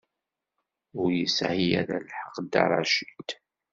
Ur yesɛi ara lḥeqq Dda Racid.